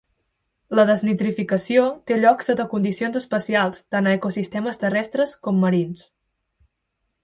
La desnitrificació té lloc sota condicions especials tant a ecosistemes terrestres com marins.